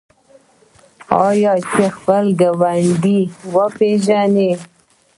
آیا چې خپل ګاونډی وپیژني؟